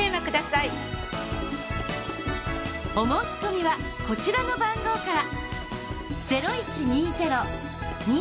お申し込みはこちらの番号から。